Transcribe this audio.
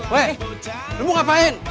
weh lu ngapain